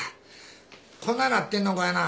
こんなになってんのかいな。